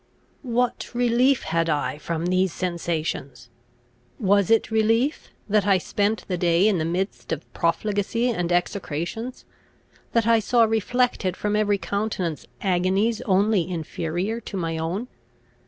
What relief had I from these sensations? Was it relief, that I spent the day in the midst of profligacy and execrations that I saw reflected from every countenance agonies only inferior to my own?